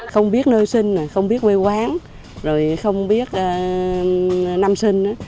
không biết nơi sinh không biết quê quán rồi không biết năm sinh